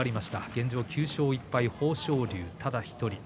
現状、９勝１敗は豊昇龍ただ１人。